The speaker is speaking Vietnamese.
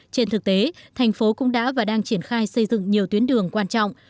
trên thực tế thành phố cũng đã và đang triển khai xây dựng nhiều tuyến đường quan trọng